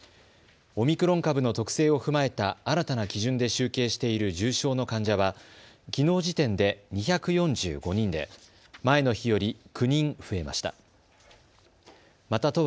オミクロン株の特性を踏まえた新たな基準で集計している重症の患者はきのう時点で２４５人で前の日より９人増えました。